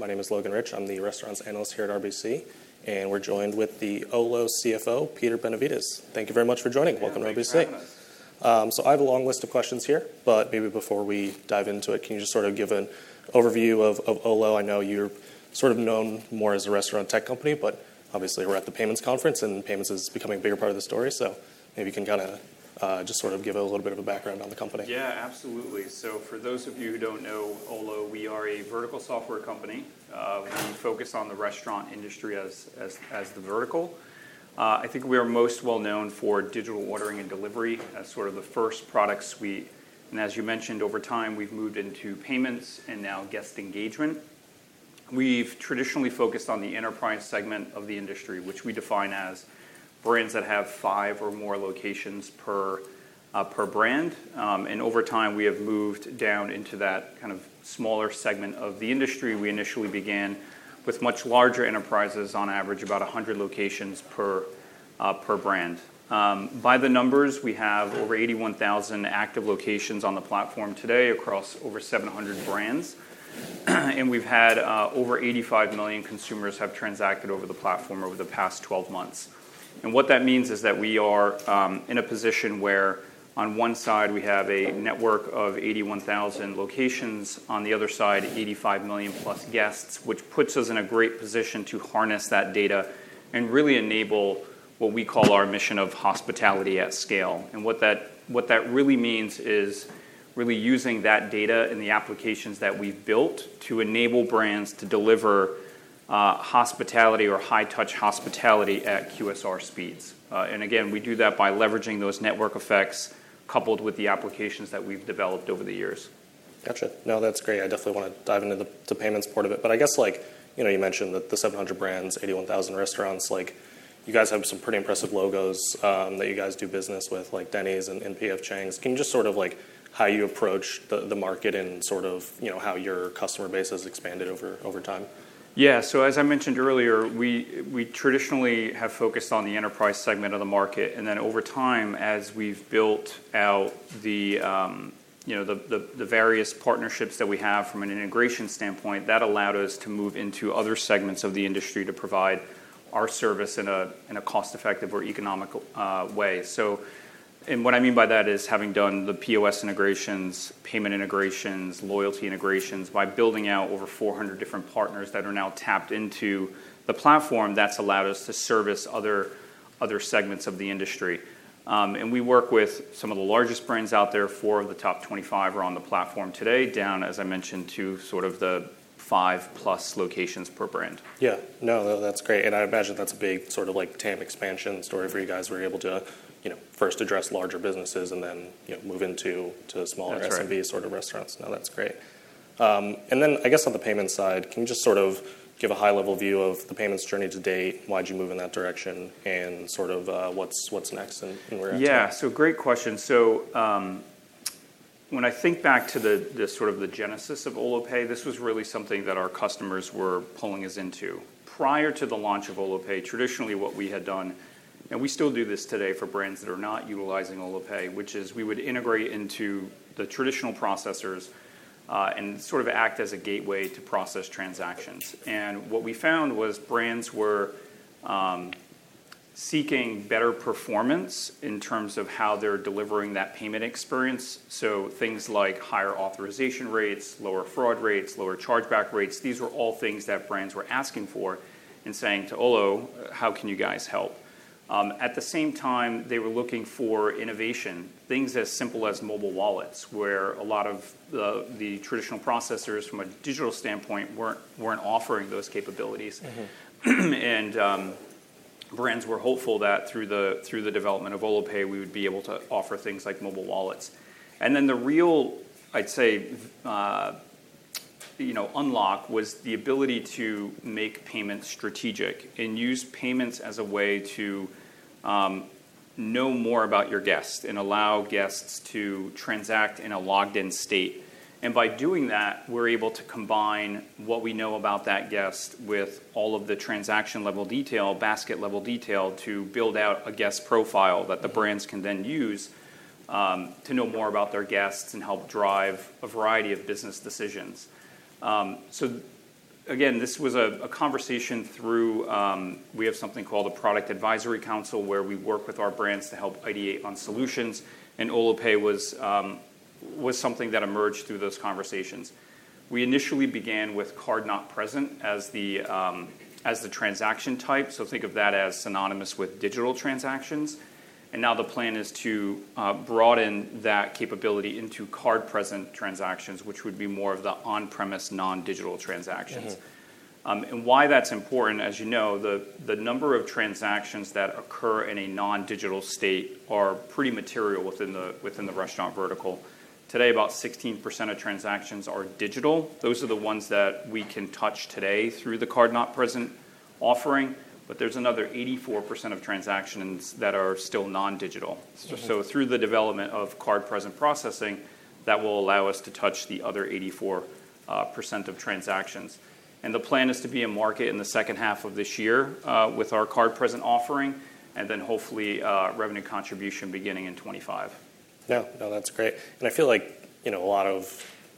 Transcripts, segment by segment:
My name is Logan Reich. I'm the restaurants analyst here at RBC, and we're joined withthe Olo CFO, Peter Benevides. Thank you very much for joining. Welcome to RBC. Yeah, thanks for having us. So I have a long list of questions here, but maybe before we dive into it, can you just sort of give an overview of, of Olo? I know you're sort of known more as a restaurant tech company, but obviously, we're at the payments conference, and payments is becoming a bigger part of the story. So maybe you can kinda just sort of give a little bit of a background on the company. Yeah, absolutely. So for those of you who don't know Olo, we are a vertical software company. We focus on the restaurant industry as the vertical. I think we are most well known for digital ordering and delivery as sort of the first products we and as you mentioned, over time, we've moved into payments and now guest engagement. We've traditionally focused on the enterprise segment of the industry, which we define as brands that have five or more locations per brand. And over time, we have moved down into that kind of smaller segment of the industry. We initially began with much larger enterprises, on average, about 100 locations per brand. By the numbers, we have over 81,000 active locations on the platform today across over 700 brands. We've had over 85 million consumers have transacted over the platform over the past 12 months. What that means is that we are in a position where on one side, we have a network of 81,000 locations, on the other side, 85 million+ guests, which puts us in a great position to harness that data and really enable what we call our mission of hospitality at scale. What that, what that really means is really using that data and the applications that we've built to enable brands to deliver hospitality or high-touch hospitality at QSR speeds. Again, we do that by leveraging those network effects, coupled with the applications that we've developed over the years. Gotcha. No, that's great. I definitely wanna dive into the, the payments part of it. But I guess, like, you know, you mentioned that the 700 brands, 81,000 restaurants, like, you guys have some pretty impressive logos, that you guys do business with, like Denny's and P.F. Chang's. Can you just sort of like, how you approach the, the market and sort of, you know, how your customer base has expanded over, over time? Yeah. So as I mentioned earlier, we traditionally have focused on the enterprise segment of the market, and then over time, as we've built out the you know the various partnerships that we have from an integration standpoint, that allowed us to move into other segments of the industry to provide our service in a cost-effective or economical way. So, and what I mean by that is having done the POS integrations, payment integrations, loyalty integrations, by building out over 400 different partners that are now tapped into the platform, that's allowed us to service other segments of the industry. And we work with some of the largest brands out there. four of the top 25 are on the platform today, down, as I mentioned, to sort of the 5+ locations per brand. Yeah. No, that's great. And I imagine that's a big sort of like TAM expansion story for you guys, where you're able to, you know, first address larger businesses and then, you know, move into smaller- That's right... SMB sort of restaurants. No, that's great. And then I guess on the payments side, can you just sort of give a high-level view of the payments journey to date? Why'd you move in that direction, and sort of, what's next and where you're at? Yeah, so great question. So, when I think back to the sort of genesis of Olo Pay, this was really something that our customers were pulling us into. Prior to the launch of Olo Pay, traditionally, what we had done, and we still do this today for brands that are not utilizing Olo Pay, which is we would integrate into the traditional processors, and sort of act as a gateway to process transactions. What we found was brands were seeking better performance in terms of how they're delivering that payment experience. So things like higher authorization rates, lower fraud rates, lower chargeback rates, these were all things that brands were asking for and saying to Olo: "How can you guys help?" At the same time, they were looking for innovation, things as simple as mobile wallets, where a lot of the traditional processors, from a digital standpoint, weren't offering those capabilities. Mm-hmm. Brands were hopeful that through the development of Olo Pay, we would be able to offer things like mobile wallets. Then the real, I'd say, you know, unlock was the ability to make payments strategic and use payments as a way to know more about your guest and allow guests to transact in a logged-in state. By doing that, we're able to combine what we know about that guest with all of the transaction-level detail, basket-level detail, to build out a guest profile that the brands can then use to know more about their guests and help drive a variety of business decisions. So again, this was a conversation through, we have something called a Product Advisory Council, where we work with our brands to help ideate on solutions, and Olo Pay was something that emerged through those conversations. We initially began with card not present as the transaction type, so think of that as synonymous with digital transactions. And now the plan is to broaden that capability into card-present transactions, which would be more of the on-premise, non-digital transactions. Mm-hmm. And why that's important, as you know, the number of transactions that occur in a non-digital state are pretty material within the restaurant vertical. Today, about 16% of transactions are digital. Those are the ones that we can touch today through the card not present offering, but there's another 84% of transactions that are still non-digital. Mm-hmm. So through the development of Card Present processing, that will allow us to touch the other 84% of transactions. And the plan is to be in market in the second half of this year, with our Card Present offering, and then hopefully, revenue contribution beginning in 2025.... No, no, that's great. And I feel like, you know, a lot of,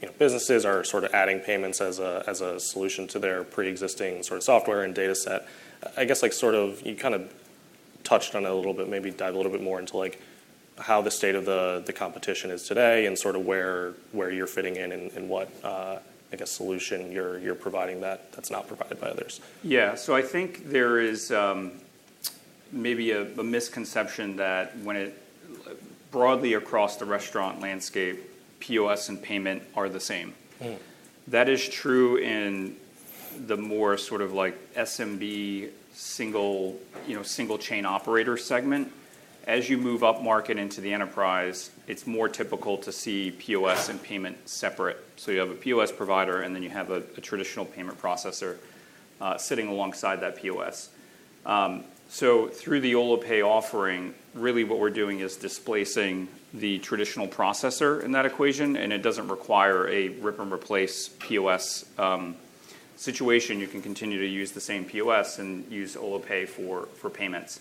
you know, businesses are sort of adding payments as a, as a solution to their pre-existing sort of software and data set. I guess, like, sort of, you kind of touched on it a little bit. Maybe dive a little bit more into like how the state of the competition is today and sort of where you're fitting in and what, I guess, solution you're providing that's not provided by others. Yeah. So I think there is maybe a misconception that when broadly across the restaurant landscape, POS and payment are the same. Mm-hmm. That is true in the more sort of like SMB single, you know, single chain operator segment. As you move upmarket into the enterprise, it's more typical to see POS and payment separate. So you have a POS provider, and then you have a traditional payment processor sitting alongside that POS. So through the Olo Pay offering, really what we're doing is displacing the traditional processor in that equation, and it doesn't require a rip and replace POS situation. You can continue to use the same POS and use Olo Pay for payments.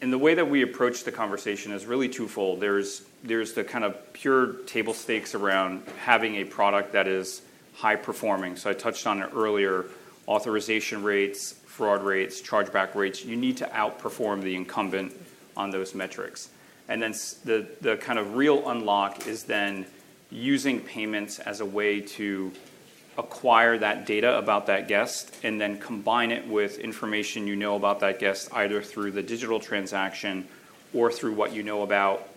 And the way that we approach the conversation is really twofold. There's the kind of pure table stakes around having a product that is high performing. So I touched on it earlier, authorization rates, fraud rates, chargeback rates. You need to outperform the incumbent on those metrics. The kind of real unlock is then using payments as a way to acquire that data about that guest and then combine it with information you know about that guest, either through the digital transaction or through what you know about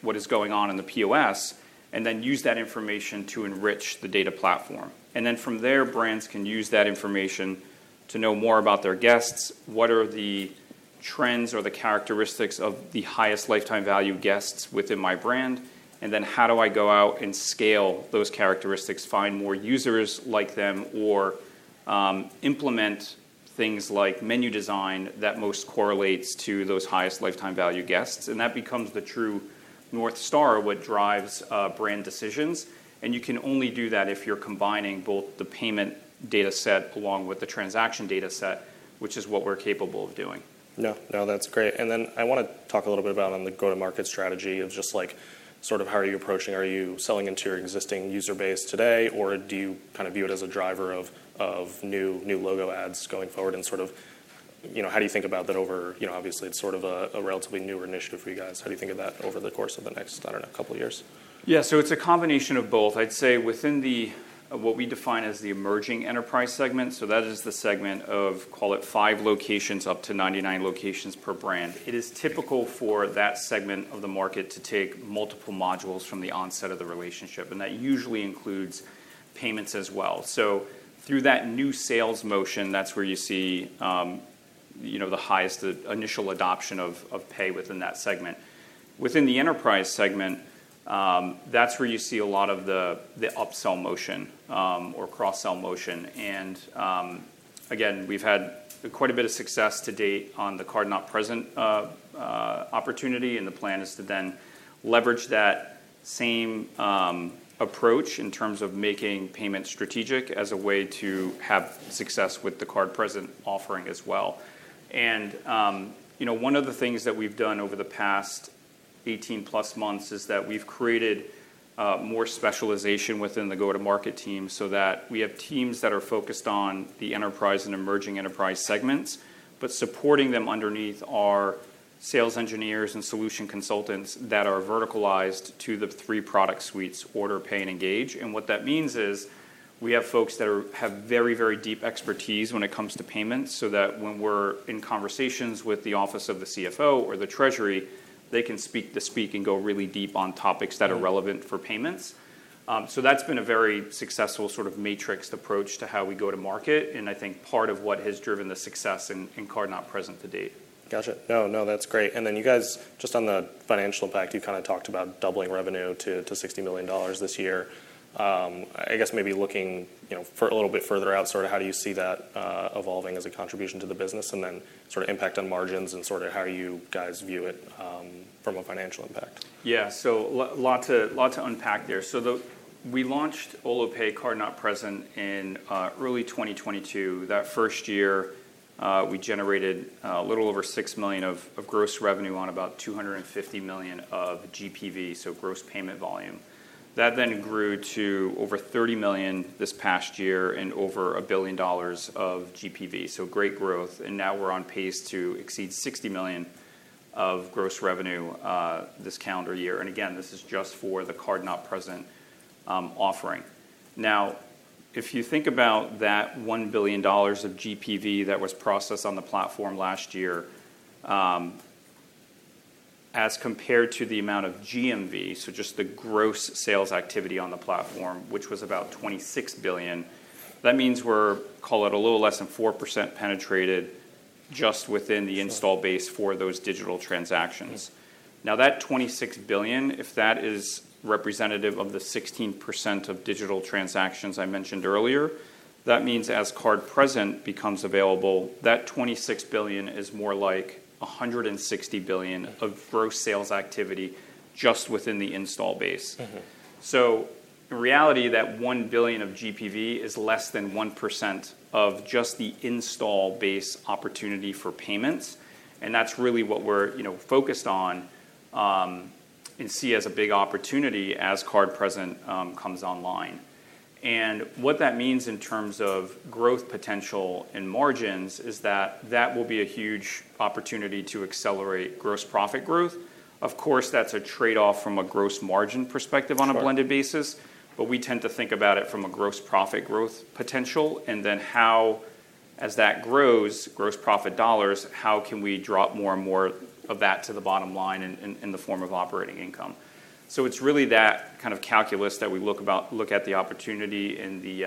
what is going on in the POS, and then use that information to enrich the data platform. From there, brands can use that information to know more about their guests. What are the trends or the characteristics of the highest lifetime value guests within my brand? How do I go out and scale those characteristics, find more users like them, or implement things like menu design that most correlates to those highest lifetime value guests? That becomes the true North Star, what drives brand decisions. You can only do that if you're combining both the payment data set along with the transaction data set, which is what we're capable of doing. No, no, that's great. And then I want to talk a little bit about on the go-to-market strategy of just like, sort of, how are you approaching? Are you selling into your existing user base today, or do you kind of view it as a driver of, of new, new logo adds going forward and sort of- you know, how do you think about that over... You know, obviously, it's sort of a, a relatively newer initiative for you guys. How do you think of that over the course of the next, I don't know, couple of years? Yeah. So it's a combination of both. I'd say within the, what we define as the emerging enterprise segment, so that is the segment of, call it, 5 locations, up to 99 locations per brand. It is typical for that segment of the market to take multiple modules from the onset of the relationship, and that usually includes payments as well. So through that new sales motion, that's where you see, you know, the highest initial adoption of, of pay within that segment. Within the enterprise segment, that's where you see a lot of the upsell motion, or cross-sell motion, and, again, we've had quite a bit of success to date on the Card Not Present opportunity, and the plan is to then leverage that same approach in terms of making payment strategic as a way to have success with the Card Present offering as well. And, you know, one of the things that we've done over the past 18+ months is that we've created more specialization within the go-to-market team so that we have teams that are focused on the enterprise and emerging enterprise segments, but supporting them underneath are sales engineers and solution consultants that are verticalized to the three product suites: Order, Pay, and Engage What that means is we have folks that have very, very deep expertise when it comes to payments, so that when we're in conversations with the office of the CFO or the treasury, they can speak and go really deep on topics that are relevant for payments. So that's been a very successful sort of matrixed approach to how we go to market, and I think part of what has driven the success in Card Not Present to date. Gotcha. No, no, that's great. And then you guys, just on the financial impact, you kind of talked about doubling revenue to $60 million this year. I guess maybe looking, you know, for a little bit further out, sort of how do you see that, evolving as a contribution to the business, and then sort of impact on margins and sort of how you guys view it, from a financial impact? Yeah. So lot to unpack there. So we launched Olo Pay Card Not Present in early 2022. That first year, we generated a little over $6 million of gross revenue on about $250 million of GPV, so gross payment volume. That then grew to over $30 million this past year and over $1 billion of GPV. So great growth, and now we're on pace to exceed $60 million of gross revenue this calendar year. And again, this is just for the card-not-present offering. Now, if you think about that $1 billion of GPV that was processed on the platform last year, as compared to the amount of GMV, so just the gross sales activity on the platform, which was about $26 billion, that means we're, call it, a little less than 4% penetrated just within the install base for those digital transactions. Mm-hmm. Now, that $26 billion, if that is representative of the 16% of digital transactions I mentioned earlier, that means as Card Present becomes available, that $26 billion is more like $160 billion of gross sales activity just within the install base. Mm-hmm.... So in reality, that $1 billion of GPV is less than 1% of just the installed base opportunity for payments, and that's really what we're, you know, focused on, and see as a big opportunity as Card Present comes online. And what that means in terms of growth potential and margins is that that will be a huge opportunity to accelerate gross profit growth. Of course, that's a trade-off from a gross margin perspective on a blended basis- Sure. But we tend to think about it from a gross profit growth potential, and then how, as that grows, gross profit dollars, how can we drop more and more of that to the bottom line in the form of operating income? So it's really that kind of calculus that we look at the opportunity and the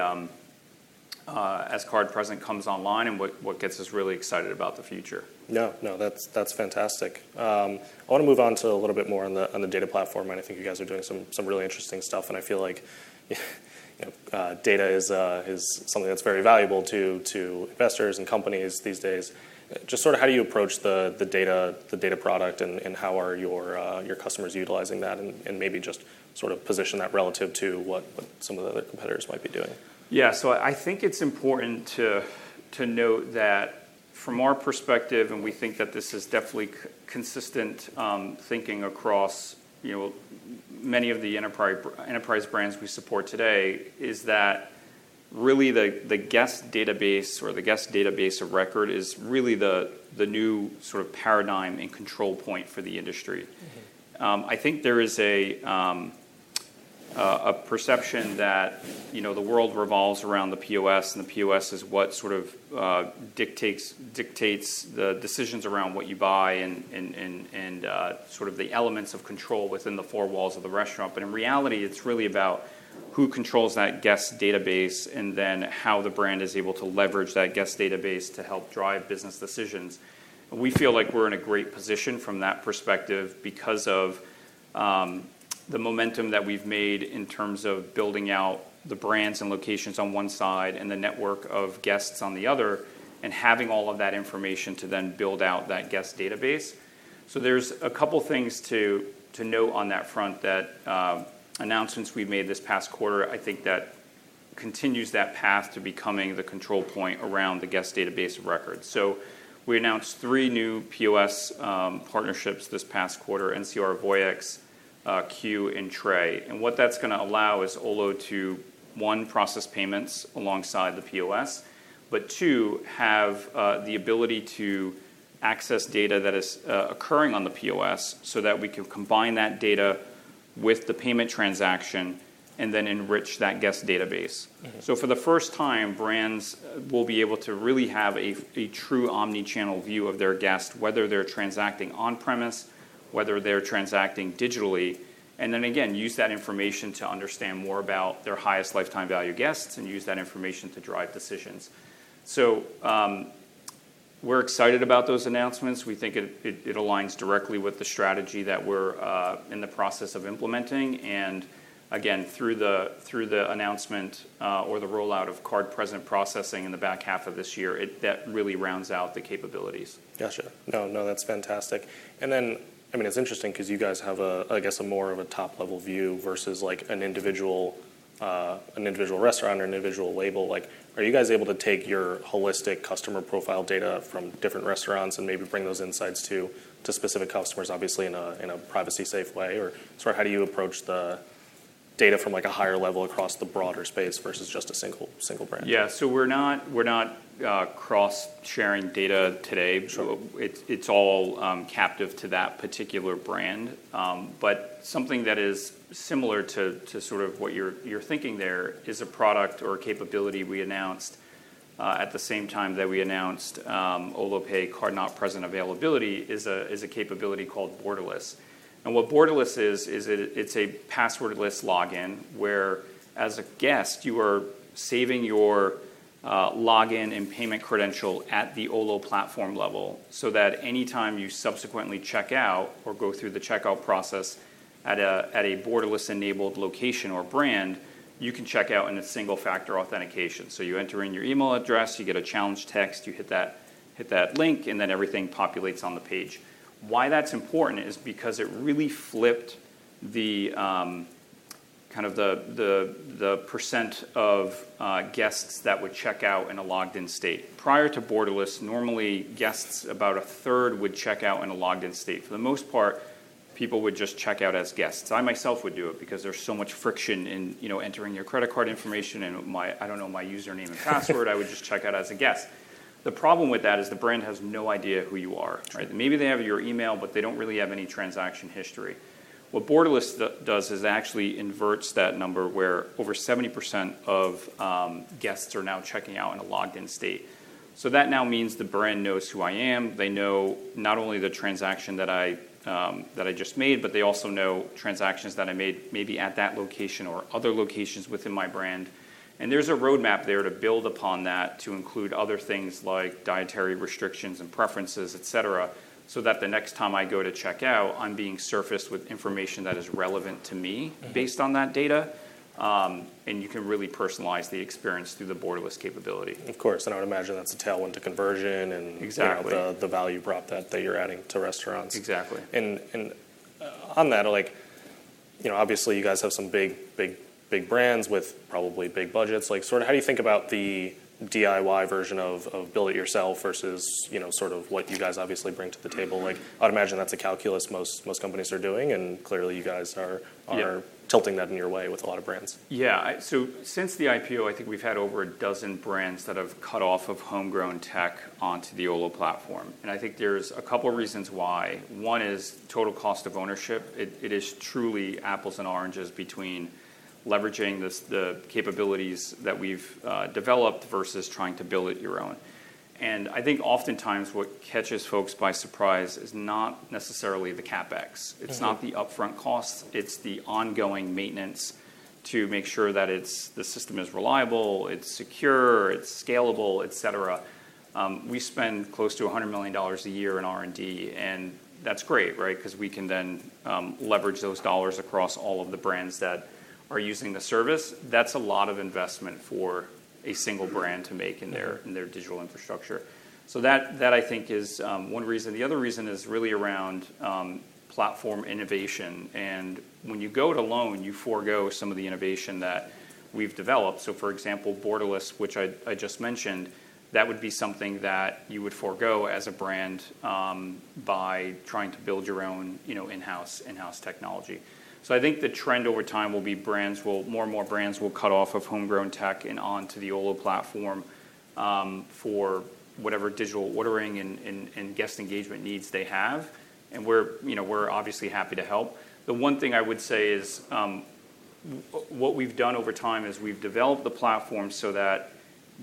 as Card Present comes online and what gets us really excited about the future. No, no, that's, that's fantastic. I want to move on to a little bit more on the, on the data platform, and I think you guys are doing some, some really interesting stuff, and I feel like, you know, data is, is something that's very valuable to, to investors and companies these days. Just sort of how do you approach the, the data, the data product, and, and how are your, your customers utilizing that? And, and maybe just sort of position that relative to what, what some of the other competitors might be doing. Yeah. So I think it's important to note that from our perspective, and we think that this is definitely consistent thinking across, you know, many of the enterprise brands we support today, is that really the guest database or the guest database of record is really the new sort of paradigm and control point for the industry. Mm-hmm. I think there is a perception that, you know, the world revolves around the POS, and the POS is what sort of dictates the decisions around what you buy and sort of the elements of control within the four walls of the restaurant. But in reality, it's really about who controls that guest database and then how the brand is able to leverage that guest database to help drive business decisions. We feel like we're in a great position from that perspective because of the momentum that we've made in terms of building out the brands and locations on one side and the network of guests on the other, and having all of that information to then build out that guest database. So there's a couple things to, to note on that front that, announcements we've made this past quarter, I think that continues that path to becoming the control point around the guest database of record. So we announced three new POS partnerships this past quarter, NCR Voyix, Qu, and Tray. And what that's gonna allow is Olo to, one, process payments alongside the POS, but two, have, the ability to access data that is, occurring on the POS so that we can combine that data with the payment transaction and then enrich that guest database. Mm-hmm. So for the first time, brands will be able to really have a true omni-channel view of their guest, whether they're transacting on-premise, whether they're transacting digitally, and then again, use that information to understand more about their highest lifetime value guests and use that information to drive decisions. So, we're excited about those announcements. We think it aligns directly with the strategy that we're in the process of implementing, and again, through the announcement, or the rollout of card-present processing in the back half of this year, it that really rounds out the capabilities. Gotcha. No, no, that's fantastic. And then, I mean, it's interesting 'cause you guys have a, I guess, a more of a top-level view versus, like, an individual, an individual restaurant or an individual label. Like, are you guys able to take your holistic customer profile data from different restaurants and maybe bring those insights to, to specific customers, obviously in a, in a privacy-safe way? Or sorry, how do you approach the data from, like, a higher level across the broader space versus just a single, single brand? Yeah. So we're not, we're not cross-sharing data today. Sure. So it's all captive to that particular brand. But something that is similar to sort of what you're thinking there is a product or capability we announced at the same time that we announced Olo Pay card-not-present availability, is a capability called Borderless. And what Borderless is, it's a password-less login, where as a guest, you are saving your login and payment credential at the Olo platform level, so that any time you subsequently check out or go through the checkout process at a Borderless-enabled location or brand, you can check out in a single factor authentication. So you enter in your email address, you get a challenge text, you hit that link, and then everything populates on the page. Why that's important is because it really flipped the kind of the percent of guests that would check out in a logged-in state. Prior to Borderless, normally, guests, 1/3 would check out in a logged-in state. For the most part, people would just check out as guests. I myself would do it because there's so much friction in, you know, entering your credit card information and I don't know my username and password. I would just check out as a guest. The problem with that is the brand has no idea who you are, right? Sure. Maybe they have your email, but they don't really have any transaction history. What Borderless does is actually inverts that number, where over 70% of guests are now checking out in a logged-in state. So that now means the brand knows who I am. They know not only the transaction that I just made, but they also know transactions that I made maybe at that location or other locations within my brand. And there's a roadmap there to build upon that, to include other things like dietary restrictions and preferences, et cetera, so that the next time I go to check out, I'm being surfaced with information that is relevant to me- Mm-hmm... based on that data, and you can really personalize the experience through the Borderless capability. Of course, and I would imagine that's a tailwind to conversion and- Exactly. the value prop that you're adding to restaurants. Exactly. On that, like, you know, obviously, you guys have some big, big, big brands with probably big budgets. Like, sort of how do you think about the DIY version of build it yourself versus, you know, sort of what you guys obviously bring to the table? Mm-hmm. Like, I'd imagine that's a calculus most companies are doing, and clearly, you guys are- Yeah tilting that in your way with a lot of brands. Yeah. So since the IPO, I think we've had over a dozen brands that have cut off of homegrown tech onto the Olo platform, and I think there's a couple reasons why. One is total cost of ownership. It, it is truly apples and oranges between leveraging the the capabilities that we've developed versus trying to build it your own. And I think oftentimes what catches folks by surprise is not necessarily the CapEx. Mm-hmm. It's not the upfront costs, it's the ongoing maintenance to make sure that it's, the system is reliable, it's secure, it's scalable, etc. We spend close to $100 million a year in R&D, and that's great, right? 'Cause we can then leverage those dollars across all of the brands that are using the service. That's a lot of investment for a single brand to make- Mm-hmm... in their digital infrastructure. So that I think is one reason. The other reason is really around platform innovation, and when you go it alone, you forgo some of the innovation that we've developed. So, for example, Borderless, which I just mentioned, that would be something that you would forgo as a brand by trying to build your own, you know, in-house technology. So I think the trend over time will be brands will, more and more brands will cut off of homegrown tech and onto the Olo platform for whatever digital ordering and guest engagement needs they have, and we're, you know, we're obviously happy to help. The one thing I would say is, what we've done over time is we've developed the platform so that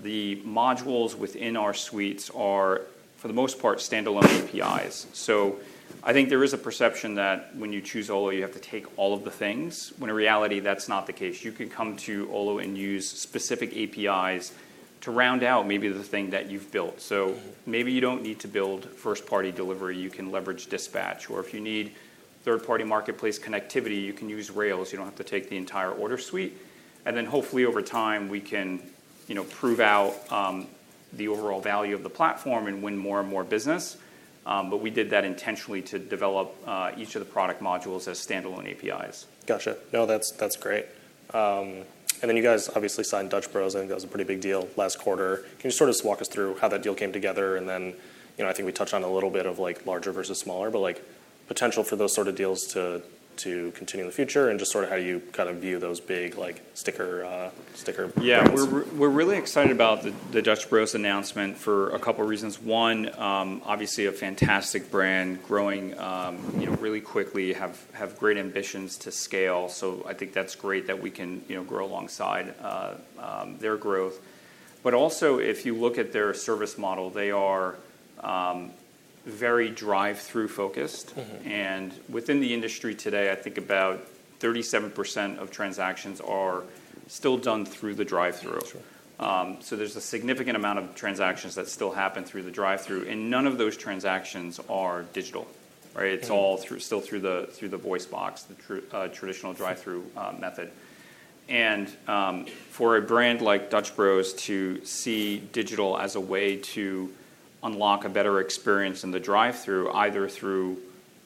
the modules within our suites are, for the most part, standalone APIs. So I think there is a perception that when you choose Olo, you have to take all of the things, when in reality, that's not the case. You can come to Olo and use specific APIs to round out maybe the thing that you've built. Mm-hmm. So maybe you don't need to build first-party delivery, you can leverage Dispatch, or if you need third-party marketplace connectivity, you can use Rails. You don't have to take the entire order suite. And then hopefully, over time, we can, you know, prove out the overall value of the platform and win more and more business. But we did that intentionally to develop each of the product modules as standalone APIs. Gotcha. No, that's, that's great. And then you guys obviously signed Dutch Bros. I think that was a pretty big deal last quarter. Can you sort of just walk us through how that deal came together? And then, you know, I think we touched on a little bit of, like, larger versus smaller, but, like, potential for those sort of deals to, to continue in the future and just sort of how you kind of view those big, like, sticker, sticker- Yeah. -points. We're really excited about the Dutch Bros announcement for a couple reasons. One, obviously a fantastic brand growing, you know, really quickly, have great ambitions to scale. So I think that's great that we can, you know, grow alongside their growth. But also, if you look at their service model, they are very drive-through focused. Mm-hmm. Within the industry today, I think about 37% of transactions are still done through the drive-through. That's right. So, there's a significant amount of transactions that still happen through the drive-through, and none of those transactions are digital, right? Mm-hmm. It's all through, still through the, through the voice box, the traditional drive-through- Sure... method. For a brand like Dutch Bros to see digital as a way to unlock a better experience in the drive-through, either through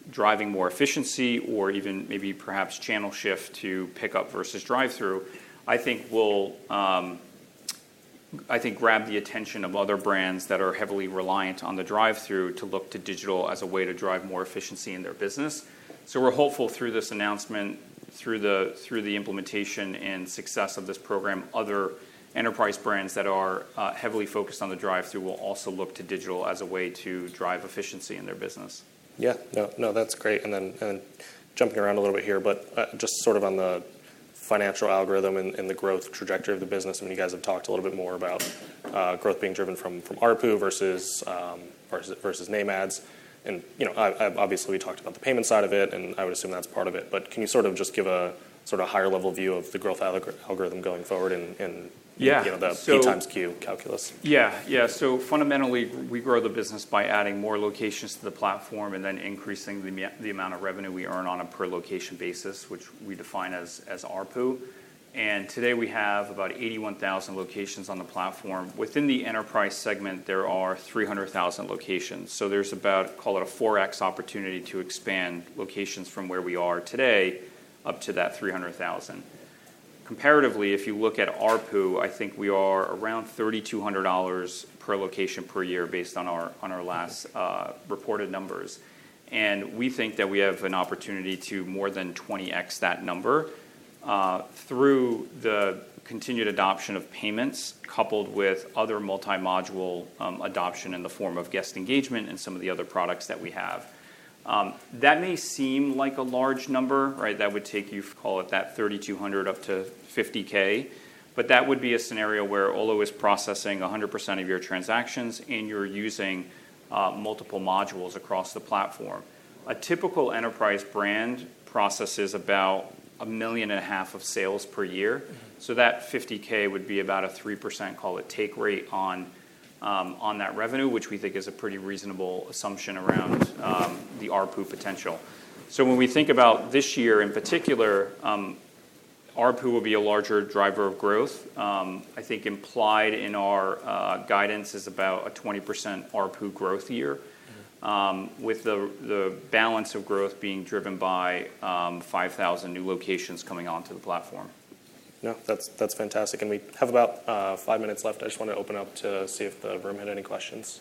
driving more efficiency or even maybe perhaps channel shift to pick up versus drive-through, I think will grab the attention of other brands that are heavily reliant on the drive-through to look to digital as a way to drive more efficiency in their business. So we're hopeful through this announcement, through the implementation and success of this program, other enterprise brands that are heavily focused on the drive-through will also look to digital as a way to drive efficiency in their business. Yeah. No, no, that's great. And then jumping around a little bit here, but just sort of on the financial algorithm and the growth trajectory of the business, I mean, you guys have talked a little bit more about growth being driven from ARPU versus net adds. And, you know, I've obviously we talked about the payment side of it, and I would assume that's part of it, but can you sort of just give a sort of higher-level view of the growth algorithm going forward and- Yeah, so-... you know, the P times Q calculus? Yeah. Yeah. So fundamentally, we grow the business by adding more locations to the platform and then increasing the the amount of revenue we earn on a per location basis, which we define as, as ARPU. And today, we have about 81,000 locations on the platform. Within the enterprise segment, there are 300,000 locations. So there's about, call it a 4x opportunity to expand locations from where we are today up to that 300,000. Comparatively, if you look at ARPU, I think we are around $3,200 per location per year based on our, on our last, reported numbers. We think that we have an opportunity to more than 20x that number, through the continued adoption of payments, coupled with other multi-module, adoption in the form of guest engagement and some of the other products that we have. That may seem like a large number, right? That would take you, call it that 3,200 up to 50K, but that would be a scenario where Olo is processing 100% of your transactions, and you're using, multiple modules across the platform. A typical enterprise brand processes about $1.5 million of sales per year. Mm-hmm. So that $50K would be about a 3%, call it, take rate on that revenue, which we think is a pretty reasonable assumption around the ARPU potential. So when we think about this year, in particular, ARPU will be a larger driver of growth. I think implied in our guidance is about a 20% ARPU growth year. Mm-hmm. With the balance of growth being driven by 5,000 new locations coming onto the platform. No, that's, that's fantastic, and we have about five minutes left. I just want to open up to see if the room had any questions.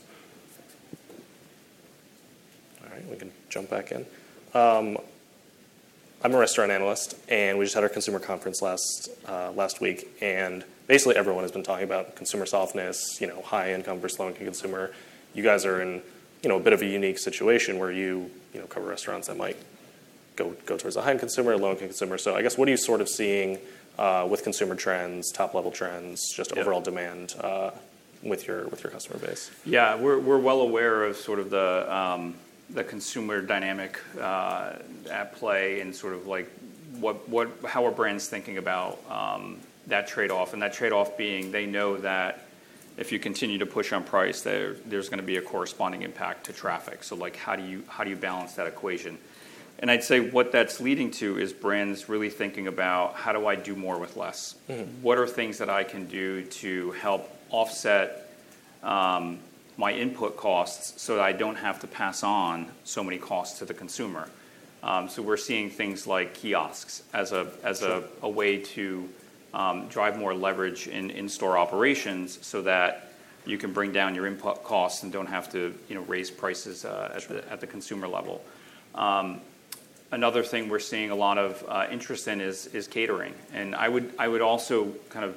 All right, we can jump back in. I'm a restaurant analyst, and we just had our consumer conference last week, and basically, everyone has been talking about consumer softness, you know, high-income versus low-income consumer. You guys are in, you know, a bit of a unique situation where you, you know, cover restaurants that might go, go towards the high-end consumer or low-income consumer. So I guess, what are you sort of seeing with consumer trends, top-level trends? Yeah. - just overall demand, with your, with your customer base? Yeah, we're well aware of sort of the consumer dynamic at play and sort of like how are brands thinking about that trade-off, and that trade-off being they know that if you continue to push on price, there's gonna be a corresponding impact to traffic. So, like, how do you balance that equation? And I'd say what that's leading to is brands really thinking about: How do I do more with less? Mm-hmm. What are things that I can do to help offset my input costs, so that I don't have to pass on so many costs to the consumer? So we're seeing things like kiosks as a- Sure... a way to drive more leverage in-store operations so that you can bring down your input costs and don't have to, you know, raise prices. Sure... at the consumer level. Another thing we're seeing a lot of interest in is catering, and I would also kind of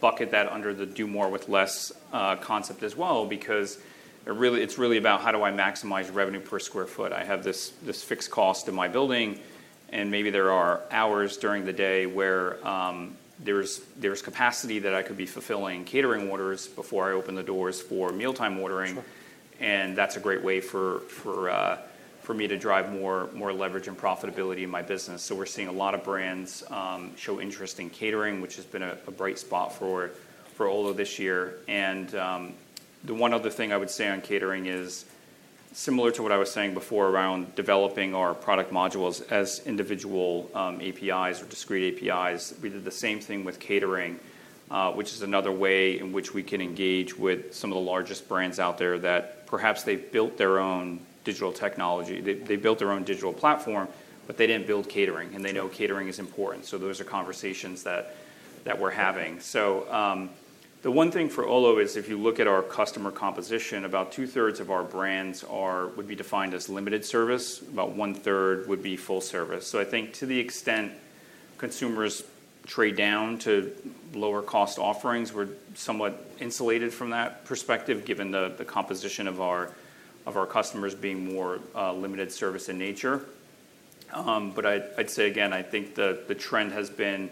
bucket that under the do more with less concept as well because it really. It's really about: How do I maximize revenue per square foot? I have this fixed cost in my building, and maybe there are hours during the day where there's capacity that I could be fulfilling catering orders before I open the doors for mealtime ordering. Sure. That's a great way for me to drive more leverage and profitability in my business. So we're seeing a lot of brands show interest in catering, which has been a bright spot for Olo this year. The one other thing I would say on catering is similar to what I was saying before around developing our product modules as individual APIs or discrete APIs. We did the same thing with catering, which is another way in which we can engage with some of the largest brands out there that perhaps they've built their own digital technology. They built their own digital platform, but they didn't build catering, and they know- Sure... catering is important. So those are conversations that we're having. So, the one thing for Olo is, if you look at our customer composition, about two-thirds of our brands would be defined as limited service. About one-third would be full service. So I think to the extent consumers trade down to lower-cost offerings, we're somewhat insulated from that perspective, given the composition of our customers being more limited service in nature. But I'd say again, I think the trend has been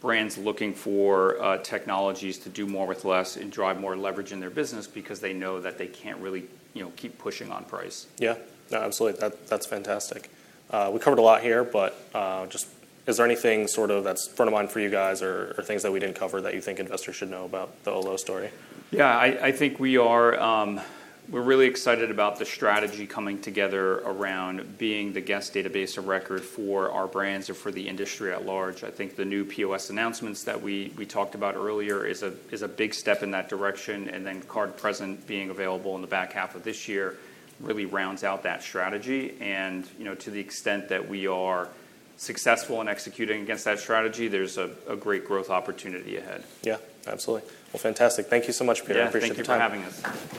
brands looking for technologies to do more with less and drive more leverage in their business because they know that they can't really, you know, keep pushing on price. Yeah. No, absolutely. That, that's fantastic. We covered a lot here, but, just... Is there anything sort of that's front of mind for you guys or, or things that we didn't cover that you think investors should know about the Olo story? Yeah, I think we are, we're really excited about the strategy coming together around being the guest database of record for our brands or for the industry at large. I think the new POS announcements that we talked about earlier is a big step in that direction, and then Card Present being available in the back half of this year really rounds out that strategy. You know, to the extent that we are successful in executing against that strategy, there's a great growth opportunity ahead. Yeah, absolutely. Well, fantastic. Thank you so much, Peter. Yeah. I appreciate your time. Thank you for having us.